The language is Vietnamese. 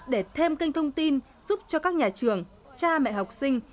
để thêm kênh thông tin giúp cho các nhà trường cha mẹ học sinh